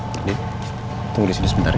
jadi tunggu disini sebentar ya